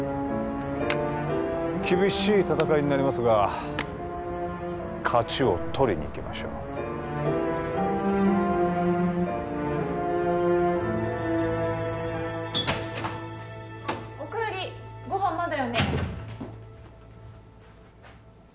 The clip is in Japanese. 厳しい戦いになりますが勝ちを取りにいきましょうおかえりご飯まだよね？